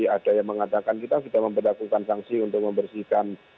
ada yang mengatakan kita tidak melakukan sanksi untuk membersihkan